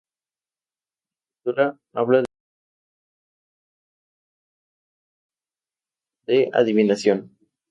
La Escritura habla de nueve especies de adivinación.